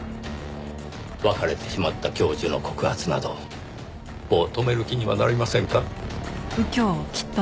別れてしまった教授の告発などもう止める気にはなりませんか？